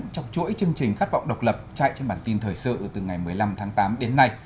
trong chuỗi chương trình khát vọng độc lập chạy trên bản tin thời sự từ ngày một mươi năm tháng tám đến nay